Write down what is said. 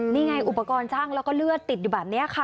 นี่ไงอุปกรณ์ช่างแล้วก็เลือดติดอยู่แบบนี้ค่ะ